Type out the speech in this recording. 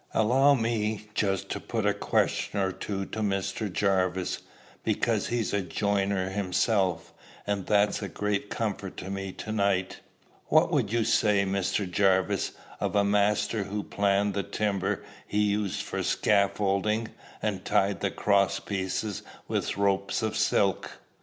Allow me just to put a question or two to Mr. Jarvis, because he's a joiner himself and that's a great comfort to me to night: What would you say, Mr. Jarvis, of a master who planed the timber he used for scaffolding, and tied the crosspieces with ropes of silk?"